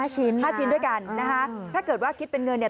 ชิ้น๕ชิ้นด้วยกันนะคะถ้าเกิดว่าคิดเป็นเงินเนี่ย